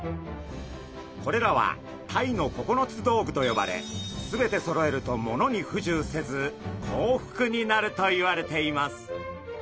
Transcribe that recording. これらはタイの９つ道具と呼ばれ全てそろえると物に不自由せず幸福になるといわれています。